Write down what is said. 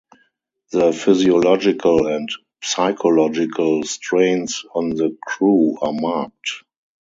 The physiological and psychological strains on the crew are marked.